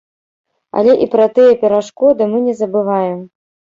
Але і пра тыя перашкоды мы не забываем.